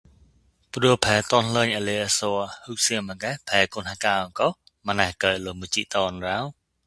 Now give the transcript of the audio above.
ပ္ဍဲဘာတန်သၠုၚ်အလဵုအသဳဟွံသေၚ်မ္ဂးဘာကောန်ဂကူဂှ်မၞးဂွံလဝ်မူစိတန်ရော